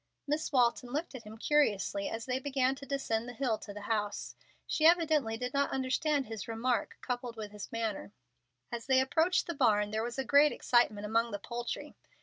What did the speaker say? Miss Walton looked at him curiously as they began to descend the hill to the house. She evidently did not understand his remark, coupled with his manner. As they approached the barn there was great excitement among the poultry.